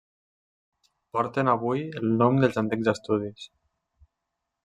Porten avui el nom dels antics estudis.